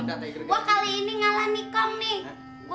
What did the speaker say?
nah sekarang gini nih